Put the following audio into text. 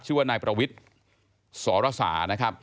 ชื่อว่านายประวิทย์สรสานะครับ